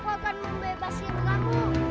oh kalian berani sama aku ya